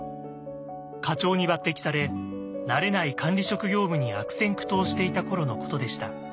課長に抜てきされ慣れない管理職業務に悪戦苦闘していた頃のことでした。